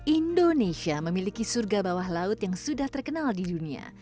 indonesia memiliki surga bawah laut yang sudah terkenal di dunia